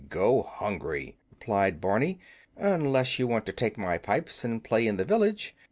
"Go hungry," replied Barney, "unless you want to take my pipes and play in the village.